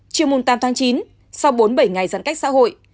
chiều mùng tám tháng chín sau bốn bảy ngày giãn cách xã hội